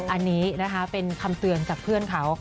อันนี้นะคะเป็นคำเตือนจากเพื่อนเขา